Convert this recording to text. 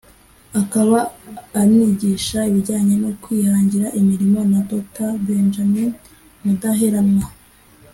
akaba anigisha ibijyanye no kwihangira imirimo na Dr Benjamin Mudaheranwa